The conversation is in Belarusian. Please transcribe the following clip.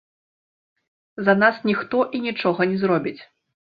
За нас ніхто і нічога не зробіць.